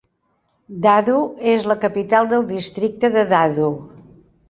Dadu és la capital del districte de Dadu.